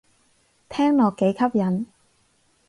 聽落幾吸引